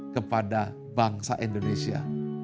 kepada bangsa indonesia